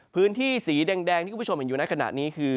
พื้นที่สีแดงที่คุณผู้ชมเห็นอยู่ในขณะนี้คือ